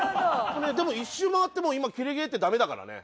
でも一周回ってもう今キレ芸ってダメだからね。